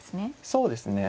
そうですね。